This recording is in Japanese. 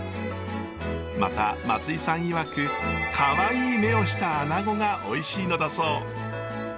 また松井さんいわくカワイイ目をしたアナゴがおいしいのだそう。